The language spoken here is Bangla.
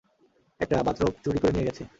একটা বাথরোব চুরি করে নিয়ে গেছে।